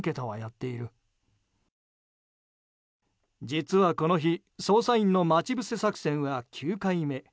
実はこの日捜査員の待ち伏せ作戦は９回目。